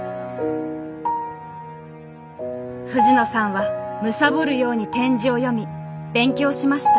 藤野さんは貪るように点字を読み勉強しました。